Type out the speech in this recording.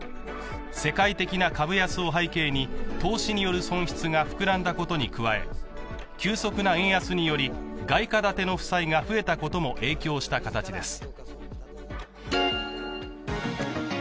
世界的な株安を背景に投資による損失が膨らんだことに加え急速な円安により外貨建ての負債が増えたことも影響した形です。